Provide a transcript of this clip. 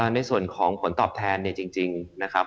ในส่วนของผลตอบแทนเนี่ยจริงนะครับ